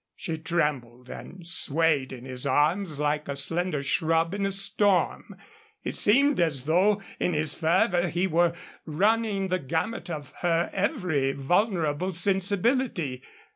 She trembled and swayed in his arms like a slender shrub in a storm. It seemed as though, in his fervor, he were running the gamut of her every vulnerable sensibility.